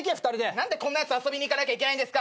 何でこんなやつと遊びに行かなきゃいけないんですか。